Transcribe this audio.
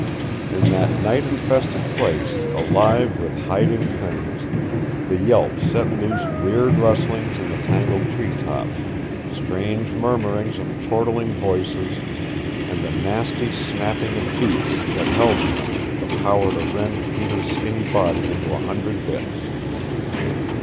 In that night infested place, alive with hiding things, the yelp set loose weird rustlings in the tangled treetops, strange murmurings of chortling voices, and the nasty snapping of beaks that held in them the power to rend Peter's skinny body into a hundred bits.